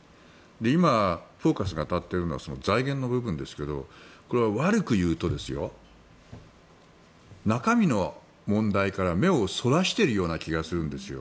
今フォーカスが当たっているのはその財源の部分ですがこれは悪く言うと中身の問題から目をそらしているような気がするんですよ。